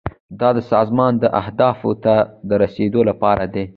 دا د سازمان اهدافو ته د رسیدو لپاره دی.